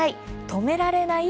とめられない？